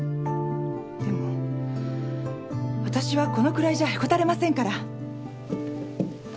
でもわたしはこのくらいじゃへこたれませんから。